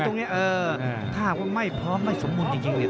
คือมวยตรงนี้ถ้าไม่พร้อมไม่สมบูรณ์จริงเนี่ย